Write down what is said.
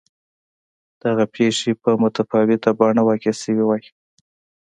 دغه پېښې په متفاوته بڼه واقع شوې وای.